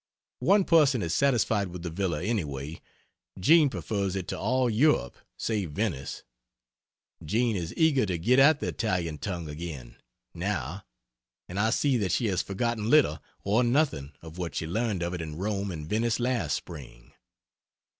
One person is satisfied with the villa, anyway. Jean prefers it to all Europe, save Venice. Jean is eager to get at the Italian tongue again, now, and I see that she has forgotten little or nothing of what she learned of it in Rome and Venice last spring.